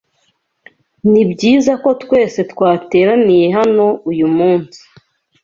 Nibyiza ko twese twateraniye hano uyumunsi.